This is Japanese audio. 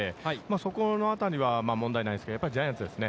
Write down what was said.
そこのあたりは問題ないですけどやっぱりジャイアンツですね。